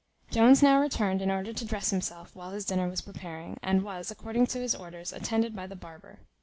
Jones now returned in order to dress himself, while his dinner was preparing, and was, according to his orders, attended by the barber.